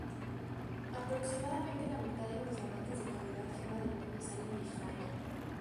Aproximadamente la mitad de los diamantes de calidad gema del mundo sale de Israel.